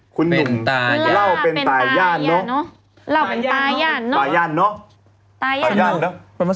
คุณหนุ่ม